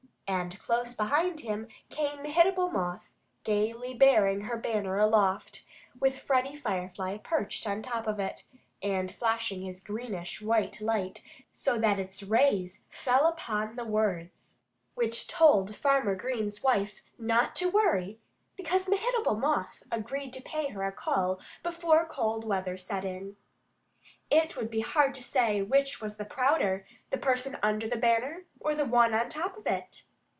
And close behind him came Mehitable Moth, gaily bearing her banner aloft, with Freddie Firefly perched on top of it, and flashing his greenish white light so that its rays fell full upon the words, which told Farmer Green's wife not to worry, because Mehitable Moth agreed to pay her a call before cold weather set in. It would be hard to say which was the prouder the person under the banner or the one on top of it.